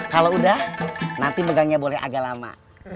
kalau udah nanti pegangnya boleh agak lama